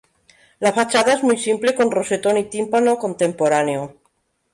La fachada es muy simple con rosetón y tímpano contemporáneo.